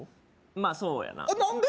まあそうやな何で？